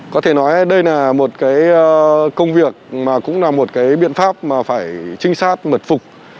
có thể nói đây là một cái công việc mà cũng là một cái biện pháp mà phải trinh sát mật phục